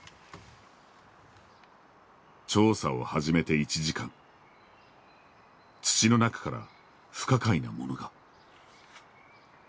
調査を始めて１時間土の中から不可解なものが。